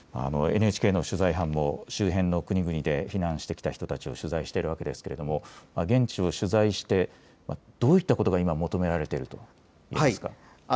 ＮＨＫの取材班も周辺の国々で避難してきた人たちを取材しているわけですが、現地を取材してどういったことが今、求められていると思いますか。